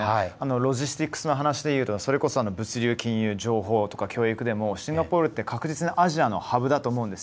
ロジスティックスな話でいうとそれこそ、物流、金融情報、教育でもシンガポールって確実にアジアのハブだと思います。